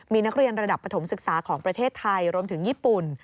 มีนักเรียนระดับปฐมศึกษาของประเทศไทยรวมถึงญี่ปุ่น